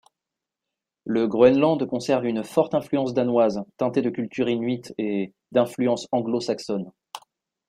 Le Groenland conserve une forte influence danoise, teintée de culture inuite et d'influences anglo-saxonnes.